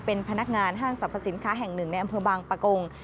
เป็นพนักงานห้างสรรพสินค้าแห่งหนึ่งในอำเภอบางปะกง